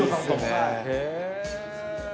はい。